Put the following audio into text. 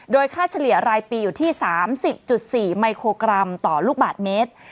ค่าเฉลี่ยรายปีอยู่ที่๓๐๔ไมโครกรัมต่อลูกบาทเมตร